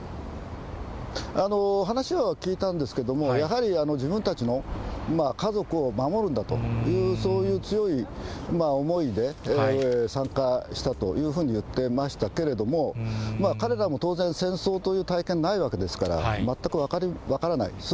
話を聞いたんですけれども、やはり自分たちの家族を守るんだという、そういう強い思いで参加したというふうに言ってましたけれども、彼らも当然、戦争という体験、ないわけですから、全く分からない。